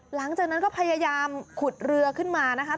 หลังจากนั้นก็พยายามขุดเรือขึ้นมานะคะ